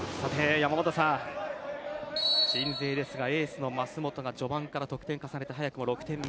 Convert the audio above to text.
山本さん鎮西ですが、エースの舛本が序盤から得点を重ねて早くも６点目。